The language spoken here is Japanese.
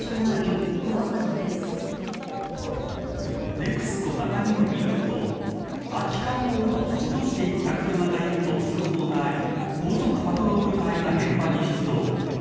ＮＥＸＣＯ中日本によると空き缶を落としていった車がいると通報があり高速パトロール隊が現場に出動。